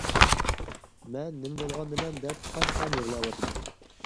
مەن نېمە بولغاندىمەن دەپ قان-قان يىغلاۋاتىدۇ.